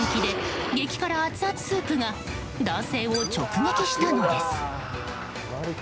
車の衝撃で激辛アツアツスープが男性を直撃したのです。